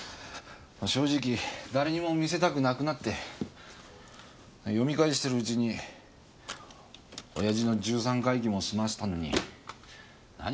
正直誰にも見せたくなくなって読み返してるうちに親父の十三回忌も済ませたのに何